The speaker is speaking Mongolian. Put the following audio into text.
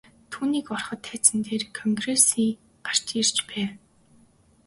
Түүнийг ороход тайзан дээр КОНФЕРАНСЬЕ гарч ирж байв.